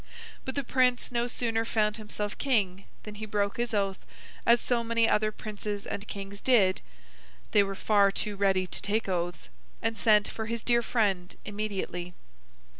But, the Prince no sooner found himself King, than he broke his oath, as so many other Princes and Kings did (they were far too ready to take oaths), and sent for his dear friend immediately.